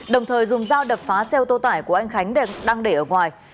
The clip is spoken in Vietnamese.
đồng thời dùng dao đập phá xe ô tô tải của anh khánh đang để ở ngoài